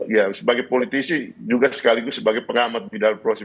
ya sebagai politisi juga sekaligus sebagai pengamat di dalam proses